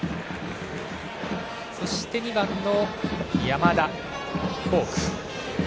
そして２番の山田、フォーク。